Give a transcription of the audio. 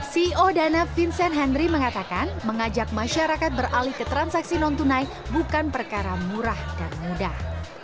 ceo dana vincent henry mengatakan mengajak masyarakat beralih ke transaksi non tunai bukan perkara murah dan mudah